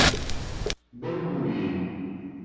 Bambuí